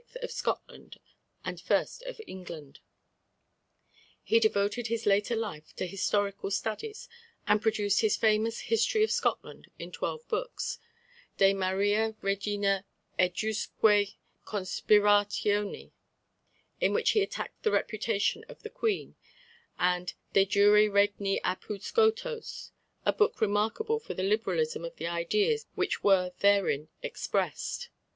of Scotland and I. of England. He devoted his later life to historical studies, and produced his famous History of Scotland in twelve books, De Maria Regina ejusque conspiratione, in which he attacked the reputation of the Queen, and De jure regni apud Scotos, a book remarkable for the liberalism of the ideas which were therein expressed.